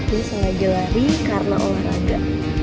ini sengaja lari karena olahraga